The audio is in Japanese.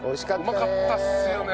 うまかったっすよね